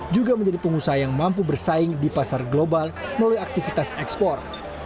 juga menjadi pengusaha yang mampu bersaing di pasar global melalui aktivitas ekspor